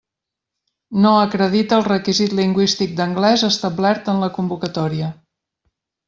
No acredita el requisit lingüístic d'anglès establert en la convocatòria.